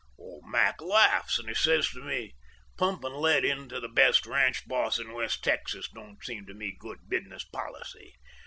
"Old Mac laughs, and he says to me: 'Pumpin' lead into the best ranch boss in West Texas don't seem to me good business policy.